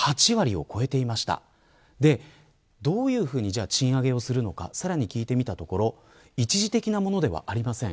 どういうふうに賃上げをするのかさらに聞いてみたところ一時的なものではありません。